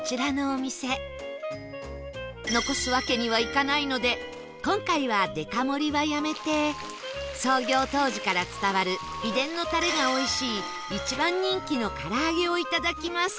残すわけにはいかないので今回はデカ盛りはやめて創業当時から伝わる秘伝のタレがおいしい一番人気の唐揚げをいただきます